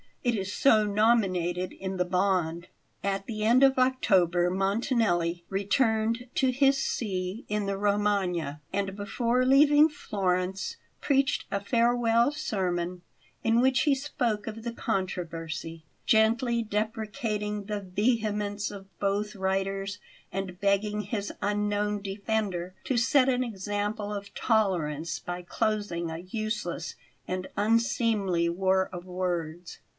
It is so nominated in the bond!" At the end of October Montanelli returned to his see in the Romagna, and, before leaving Florence, preached a farewell sermon in which he spoke of the controversy, gently deprecating the vehemence of both writers and begging his unknown defender to set an example of tolerance by closing a useless and unseemly war of words.